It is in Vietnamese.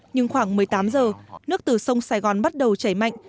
nhưng khoảng một mươi tám giờ nước từ sông sài gòn bắt đầu chảy mạnh